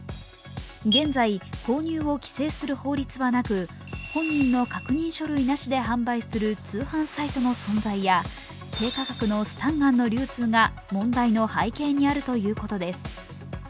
現在、購入を規制する法律はなく本人の確認書類なしで販売する通販サイトの存在や、低価格のスタンガンの流通が問題の背景にあるということです。